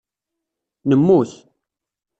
Nemmut.